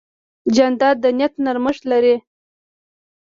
جانداد د نیت نرمښت لري.